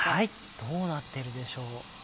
どうなってるでしょう？